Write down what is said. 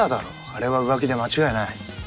あれは浮気で間違いない。